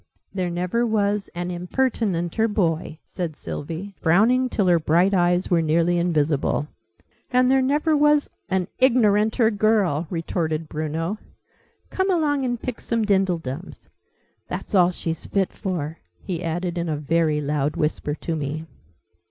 "There never was an impertinenter boy!" said Sylvie, frowning till her bright eyes were nearly invisible. "And there never was an ignoranter girl!" retorted Bruno. "Come along and pick some dindledums. That's all she's fit for!" he added in a very loud whisper to me.